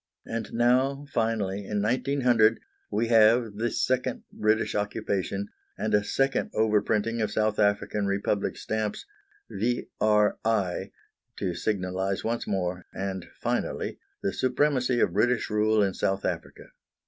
And now, finally, in 1900 we have the second British Occupation, and a second overprinting of South African Republic stamps "V.R.I.", to signalise once more, and finally, the supremacy of British rule in South Africa.